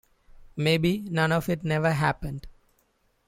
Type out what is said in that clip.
Maybe none of it never happened.